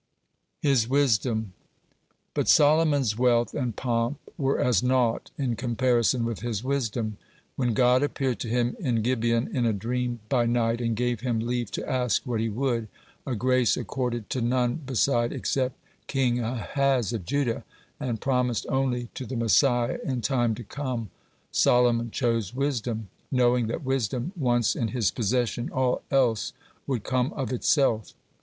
HIS WISDOM But Solomon's wealth and pomp were as naught in comparison with his wisdom. When God appeared to him in Gibeon, in a dream by night, and gave him leave to ask what he would, a grace accorded to none beside except King Ahaz of Judah, and promised only to the Messiah in time to come, (17) Solomon chose wisdom, knowing that wisdom once in his possession, all else would come of itself.